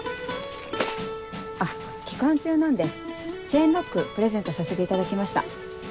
あっ期間中なんでチェーンロックプレゼントさせていただきました。